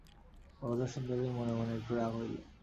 বরদাসুন্দরীর মনে মনে একটু রাগ হইল।